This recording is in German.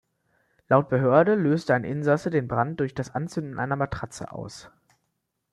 Laut Behörde löste ein Insasse den Brand durch das Anzünden einer Matratze aus.